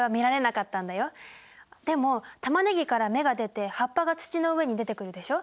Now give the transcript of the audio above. でもタマネギから芽が出て葉っぱが土の上に出てくるでしょ。